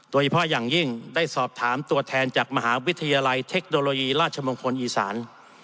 โดยเฉพาะอย่างยิ่งได้สอบถามตัวแทนจากมหาวิทยาลัยเทคโนโลยีราชมงคลอีสาน